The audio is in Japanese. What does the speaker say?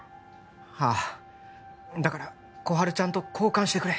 ああだから心春ちゃんと交換してくれ